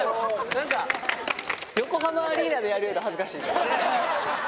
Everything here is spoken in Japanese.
なんか横浜アリーナでやるよりか恥ずかしいぞ。